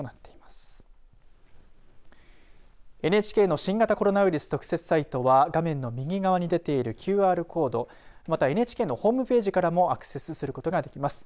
ＮＨＫの新型コロナウイルス特設サイトは画面の右側に出ているＱＲコードまたはＮＨＫのホームページからもアクセスすることができます。